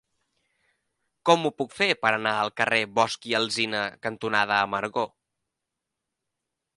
Com ho puc fer per anar al carrer Bosch i Alsina cantonada Amargor?